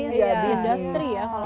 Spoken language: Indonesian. industri ya kalau enggak salah